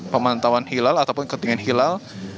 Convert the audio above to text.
pemantauan hilal ataupun ketinggian hilal